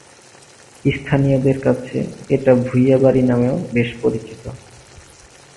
স্থানীয়দের কাছে এট ভূঁইয়া বাড়ি নামেও বেশ পরিচিত।